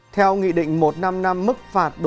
theo nghị định một năm năm mức phạt